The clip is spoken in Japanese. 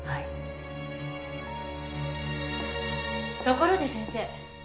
ところで先生。